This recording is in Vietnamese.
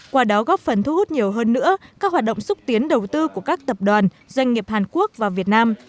qua đó góp phần thu hút nhiều hơn nữa các hoạt động xúc tiến đầu tư của các tập đoàn doanh nghiệp hàn quốc và việt nam